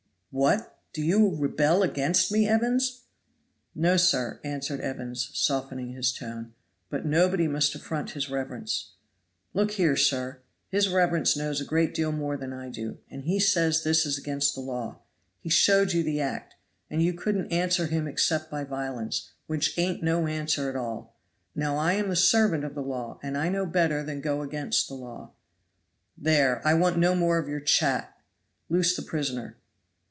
"What, do you rebel against me, Evans?" "No, sir," answered Evans softening his tone, "but nobody must affront his reverence. Look here, sir, his reverence knows a great deal more than I do, and he says this is against the law. He showed you the Act, and you couldn't answer him except by violence, which ain't no answer at all. Now I am the servant of the law, and I know better than go against the law." "There, I want no more of your chat. Loose the prisoner."